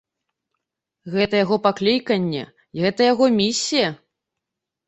Гэта яго пакліканне, гэта яго місія.